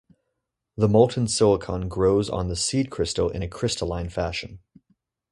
The molten silicon grows on the seed crystal in a crystalline fashion.